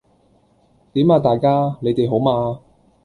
點啊大家，你哋好嗎？